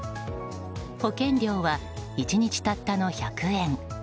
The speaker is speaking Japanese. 保険料は１日たったの１００円。